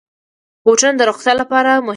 بوټونه د روغتیا لپاره مهم دي.